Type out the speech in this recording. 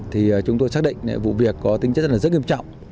thì chúng tôi xác định vụ việc có tính chất rất nghiêm trọng